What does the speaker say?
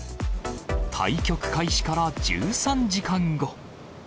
対局開始から１３時間後。